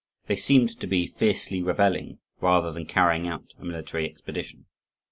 They seemed to be fiercely revelling, rather than carrying out a military expedition.